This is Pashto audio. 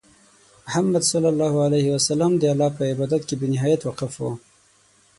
محمد صلى الله عليه وسلم د الله په عبادت کې بې نهایت وقف وو.